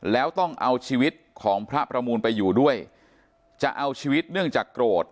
แล้วต้องเอาชีวิตของพระประมูลไปอยู่ด้วยจะเอาชีวิตเนื่องจากโกรธ